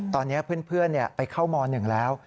ตอนนี้เพื่อนไปเข้าม๑แล้ว